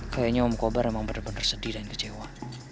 kayaknya om kobar memang benar benar sedih dan kecewa